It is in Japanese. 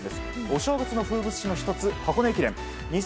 お正月の風物詩の１つ箱根駅伝。